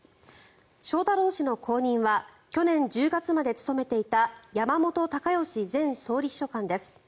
翔太郎氏の後任は去年１０月まで務めていた山本高義前総理秘書官です。